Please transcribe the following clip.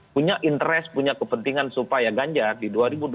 punya interest punya kepentingan supaya ganjar di dua ribu dua puluh